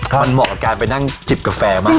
มันเหมาะกับการไปนั่งจิบกาแฟมาก